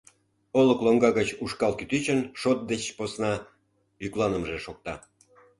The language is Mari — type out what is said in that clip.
Олык лоҥга гыч ушкал кӱтӱчын шот деч посна йӱкланымыже шокта.